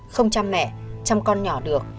không chăm mẹ chăm con nhỏ được